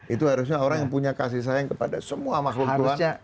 itu harusnya orang yang punya kasih sayang kepada semua makhluk tuhan